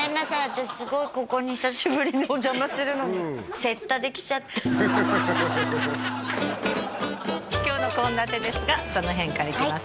私すごいここに久しぶりにお邪魔するのに雪駄で来ちゃった今日の献立ですがどの辺からいきますか？